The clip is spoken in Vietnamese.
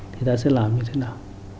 thì ta sẽ làm như thế nào